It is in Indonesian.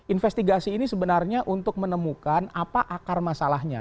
investigasi ini sebenarnya untuk menemukan apa akar masalahnya